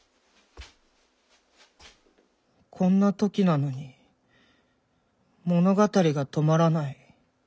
こんな時なのに物語が止まらない。